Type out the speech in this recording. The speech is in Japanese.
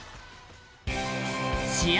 試合